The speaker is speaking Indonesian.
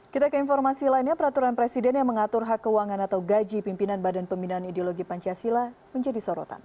kita ke informasi lainnya peraturan presiden yang mengatur hak keuangan atau gaji pimpinan badan pembinaan ideologi pancasila menjadi sorotan